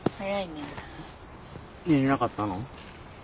寝れなかったの？